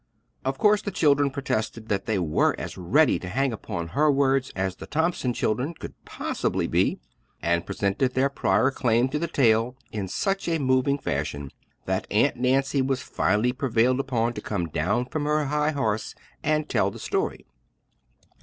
Of course, the children protested that they were as ready to hang upon her words as the Thompson children could possibly be, and presented their prior claim to the tale in such moving fashion that Aunt Nancy was finally prevailed upon to come down from her high horse and tell the story.